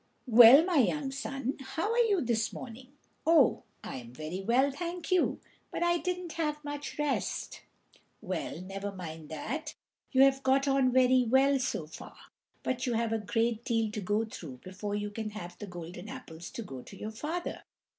"Well, my young son, how are you this morning?" "Oh, I am very well, thank you, but I didn't have much rest." "Well, never mind that; you have got on very well so far, but you have a great deal to go through before you can have the golden apples to go to your father.